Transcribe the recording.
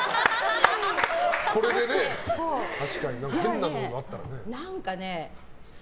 これで変なものがあったらね。